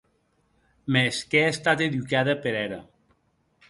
Mès qu'è estat educada per era.